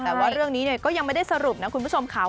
แต่ว่าเรื่องนี้ก็ยังไม่ได้สรุปนะคุณผู้ชมค่ะ